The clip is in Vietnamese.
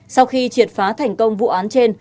sau khi triệt phá thành công vụ án trên